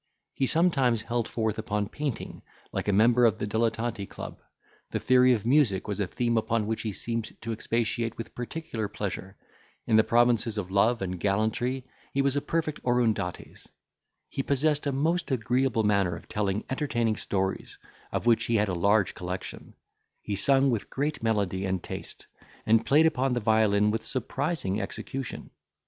He sometimes held forth upon painting, like a member of the Dilettanti club. The theory of music was a theme upon which he seemed to expatiate with particular pleasure. In the provinces of love and gallantry, he was a perfect Oroondates. He possessed a most agreeable manner of telling entertaining stories, of which he had a large collection; he sung with great melody and taste, and played upon the violin with surprising execution.